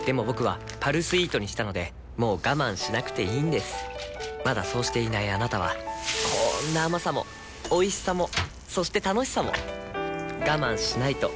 僕は「パルスイート」にしたのでもう我慢しなくていいんですまだそうしていないあなたはこんな甘さもおいしさもそして楽しさもあちっ。